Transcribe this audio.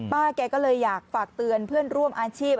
แกก็เลยอยากฝากเตือนเพื่อนร่วมอาชีพ